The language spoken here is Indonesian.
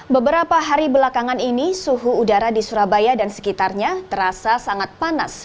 beberapa hari belakangan ini suhu udara di surabaya dan sekitarnya terasa sangat panas